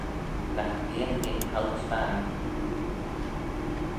Nagh beagh eh cailt veih.